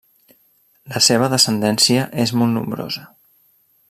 La seva descendència és molt nombrosa.